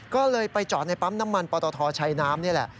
ก็เลยไปจอดในปั๊มน้ำมันปตทชัยน้ำนี่แหละ